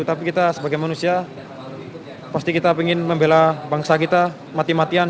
tapi kita sebagai manusia pasti kita ingin membela bangsa kita mati matian